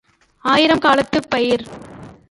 ஆயிரம் காலத்துப் பயிர்.